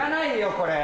これ。